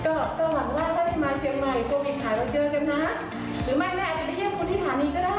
ก็หวังว่าถ้าไม่มาเชียงใหม่ก็ไปถ่ายมาเจอกันนะ